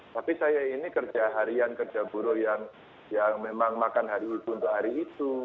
tapi saya ini kerja harian kerja buruh yang memang makan hari ibu untuk hari itu